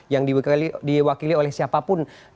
yang diwakili oleh siapapun